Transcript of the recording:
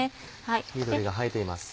緑が映えています。